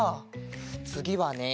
つぎはね